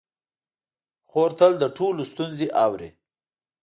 خور تل د ټولو ستونزې اوري.